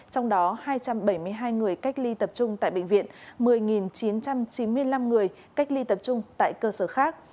trong đó hai trăm bảy mươi hai người cách ly tập trung tại bệnh viện một mươi chín trăm chín mươi năm người cách ly tập trung tại cơ sở khác